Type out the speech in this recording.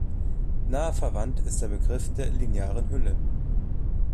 Nahe verwandt ist der Begriff der linearen Hülle.